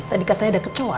tadi katanya ada kecoak